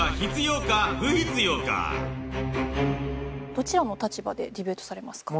どちらの立場でディベートされますか？